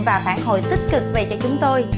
và phản hồi tích cực về cho chúng tôi